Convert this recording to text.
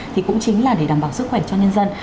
thì cũng chính là để đảm bảo sức khỏe cho nhân dân